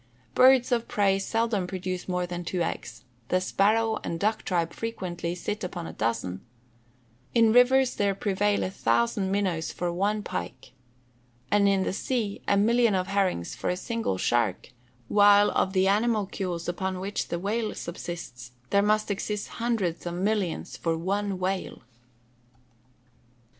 Birds of prey seldom produce more than two eggs; the sparrow and duck tribe frequently sit upon a dozen; in rivers there prevail a thousand minnows for one pike; and in the sea, a million of herrings for a single shark; while of the animalcules upon which the whale subsists, there must exist hundreds of millions for one whale.